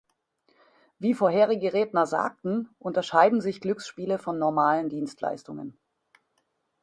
Wie vorherige Redner sagten, unterscheiden sich Glücksspiele von normalen Dienstleistungen.